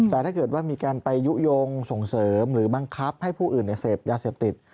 แต่ถ้าเกิดว่ามีการไปยุโยงส่งเสริมหรือบังคับให้ผู้อื่นเสพยาเสพติด